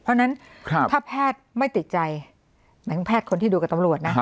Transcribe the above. เพราะฉะนั้นถ้าแพทย์ไม่ติดใจหมายถึงแพทย์คนที่ดูกับตำรวจนะ